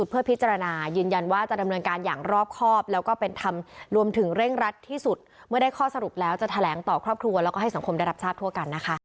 พึ่งทราบวันนี้เมื่อเมื่อกี้นี้ค่ะ